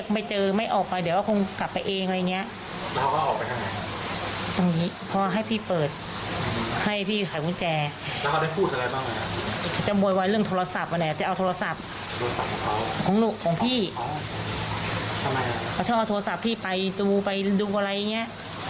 เขาชอบเอาโทรศัพท์พี่ไปดูไปดูอะไรอย่างนี้